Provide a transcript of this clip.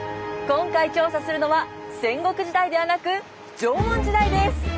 今回調査するのは戦国時代ではなく縄文時代です。